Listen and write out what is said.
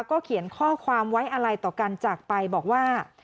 ก็เขียนข้อความไว้อาลัยต่อกันจากไปบอกว่า